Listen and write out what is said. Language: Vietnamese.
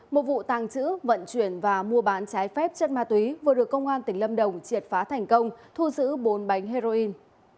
một vụ tàng trữ vận chuyển và mua bán trái phép chất ma túy vừa được công an tỉnh lâm đồng triệt phá thành công thu giữ bốn bánh heroin